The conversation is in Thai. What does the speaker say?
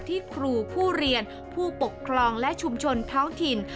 ที่ครูผู้เรียนผู้ปกครองและชุมชนท้องถิ่น